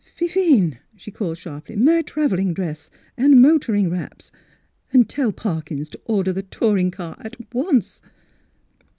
"Fifine!" she called sharply. "My travelling dress, and motoring wraps, and tell Parkyns to order the touring car at once